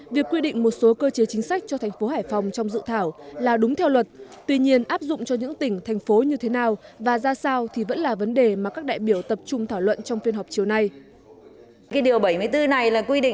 việc quy định một số cơ chế chính sách cho thành phố hải phòng trong dự thảo là đúng theo luật tuy nhiên áp dụng cho những tỉnh thành phố như thế nào và ra sao thì vẫn là vấn đề mà các đại biểu tập trung thảo luận trong phiên họp chiều nay